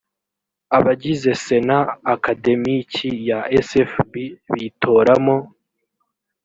abagize sena akademiki ya sfb bitoramo